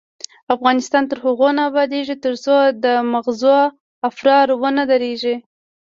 افغانستان تر هغو نه ابادیږي، ترڅو د ماغزو فرار ونه دریږي.